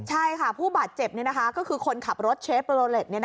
ใช่ค่ะผู้บาดเจ็บก็คือคนขับรถเชฟโลเล็ต